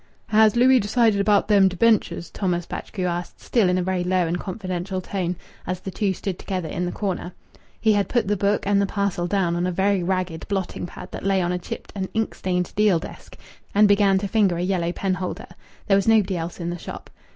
"Has Louis decided about them debentures?" Thomas Batchgrew asked, still in a very low and confidential tone, as the two stood together in the corner. He had put the Book and the parcel down on a very ragged blotting pad that lay on a chipped and ink stained deal desk, and began to finger a yellow penholder. There was nobody else in the shop.